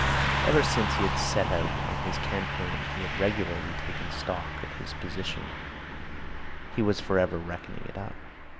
Ever since he had set out on his campaign he had regularly taken stock of his position; he was for ever reckoning it up.